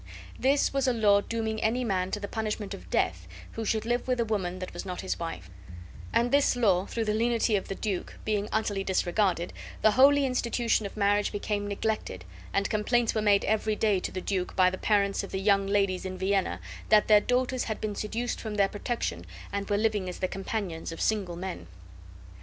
This was a law dooming any man to the punishment of death who should live with a woman that was not his wife; and this law, through the lenity of the duke, being utterly disregarded, the holy institution of marriage became neglected, and complaints were every day made to the duke by the parents of the young ladies in Vienna that their daughters had been seduced from their protection and were living as the companions of single men.